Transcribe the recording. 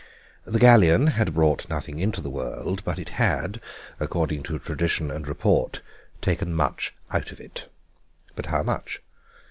The galleon had brought nothing into the world, but it had, according to tradition and report, taken much out of it. But how much?